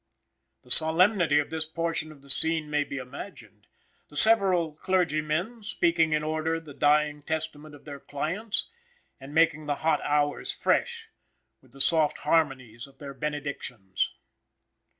The solemnity of this portion of the scene may be imagined, the several clergyman speaking in order the dying testament of their clients, and making the hot hours fresh with the soft harmonies of their benedictions.